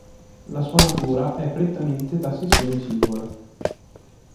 La sua natura è prettamente da sessione singola.